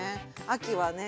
秋はね